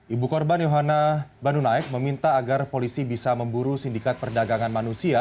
ibu korban yohana banunaek meminta agar polisi bisa memburu sindikat perdagangan manusia